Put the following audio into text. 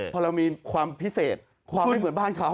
พอเรามีความพิเศษความไม่เหมือนบ้านเขา